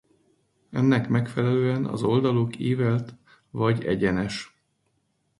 Ennek megfelelően az oldaluk ívelt vagy egyenes.